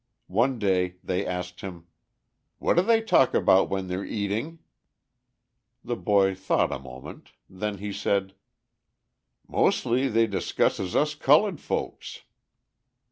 One day they asked him: "What do they talk about when they're eating?" The boy thought a moment; then he said: "Mostly they discusses us culled folks."